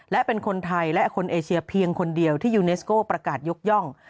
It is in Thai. และเป็นคนไทยและคนเอเชียเพียงคนเดียวที่ยูเนสโก้ประกาศยกย่อง